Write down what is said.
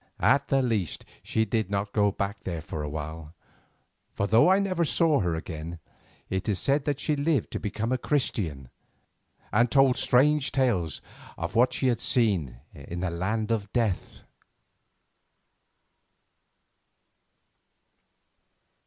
At the least she did not go back there for a while, for though I never saw her again, it is said that she lived to become a Christian and told strange tales of what she had seen in the land of Death.